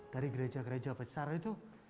dari gereja gereja besar itu